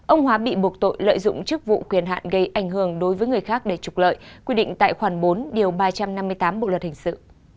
ông hóa bị buộc tội lợi dụng chức vụ quyền hạn gây ảnh hưởng đối với người khác để trục lợi quy định tại khoản bốn điều ba trăm năm mươi tám bộ luật hình sự